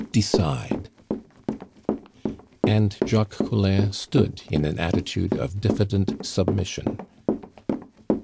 "Decide." And Jacques Collin stood in an attitude of diffident submission.